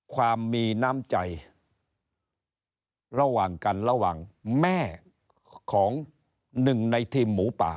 ความมีน้ำใจระหว่างกันระหว่างแม่ของหนึ่งในทีมหมูป่า